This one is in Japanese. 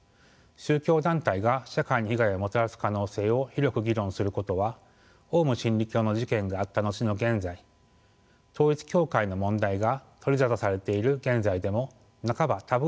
宗教団体が社会に被害をもたらす可能性を広く議論することはオウム真理教の事件があった後の現在統一教会の問題が取り沙汰されている現在でも半ばタブー視されています。